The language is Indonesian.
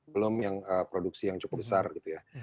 belum yang produksi yang cukup besar gitu ya